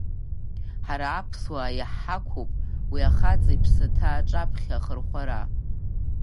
Ҳара аԥсуаа иаҳҳақуп уи ахаҵа иԥсаҭа аҿаԥхьа ахырхәара!